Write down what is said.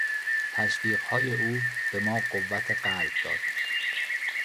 تشویقهای او به ما قوت قلب داد.